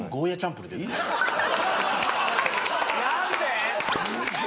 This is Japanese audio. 何で？